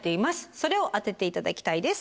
それを当てて頂きたいです。